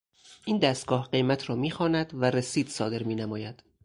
این دستگاه قیمت را میخواند و رسید صادر مینماید.